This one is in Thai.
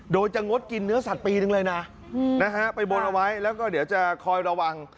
โดยจะงดกินเนื้อสัตว์ปีหนึ่งเลยนะไปบนเอาไว้แล้วก็เดี๋ยวจะคอยระวัง